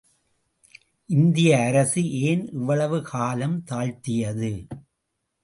இந்திய அரசு ஏன் இவ்வளவு காலம் தாழ்த்தியது?